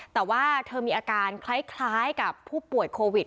แต่ว่าเธอมีอาการคล้ายกับผู้ป่วยโควิด